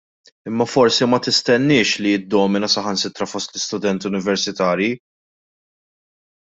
Imma forsi ma tistenniex li jiddomina saħansitra fost l-istudenti universitarji.